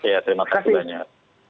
ya terima kasih banyak